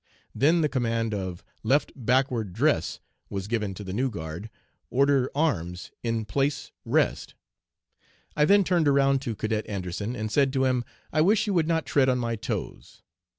Then the command of "Left backward, dress," was given to the new guard, "Order arms, in place rest." I then turned around to Cadet Anderson, and said to him, "I wish you would not tread on my toes."